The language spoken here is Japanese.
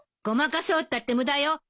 ごまかそうったって無駄よ。